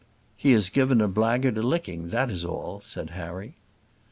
"He has given a blackguard a licking, that is all," said Harry.